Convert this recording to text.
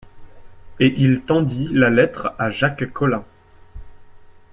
Et il tendit la lettre à Jacques Collin.